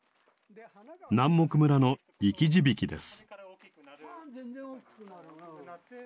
南牧村の生き字引です。